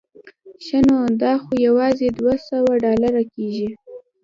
ښه نو دا خو یوازې دوه سوه ډالره کېږي.